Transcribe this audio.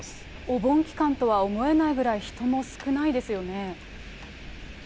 お盆期間とは思えないぐらい、人も少ないですよね。